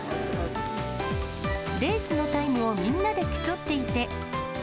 レースのタイムをみんなで競っていて。